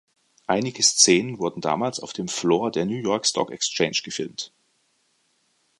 Einige Szenen wurden damals auf dem Floor der New York Stock Exchange gefilmt.